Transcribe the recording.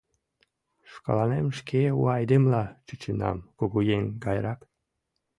Шкаланем шке у айдемыла чучынам – кугыеҥ гайрак.